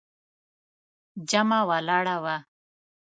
جمعه ولاړه وه.